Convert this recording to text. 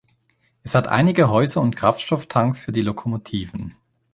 Es hat einige Häuser und Kraftstofftanks für die Lokomotiven.